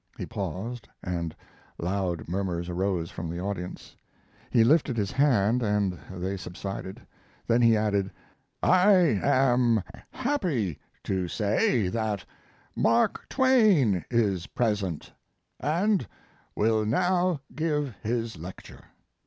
He paused and loud murmurs arose from the audience. He lifted his hand and they subsided. Then he added, "I am happy to say that Mark Twain is present, and will now give his lecture."